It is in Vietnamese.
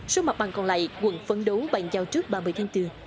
số mặt bằng còn lại quận phấn đấu bàn giao trước ba mươi tháng bốn